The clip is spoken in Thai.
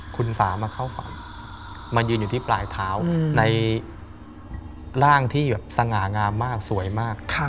คุณสามาเข้าฝันมายืนอยู่ที่ปลายเท้าในร่างที่แบบสง่างามมากสวยมาก